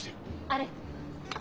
あれ。